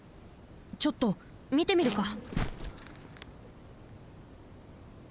ちょっとみてみるか！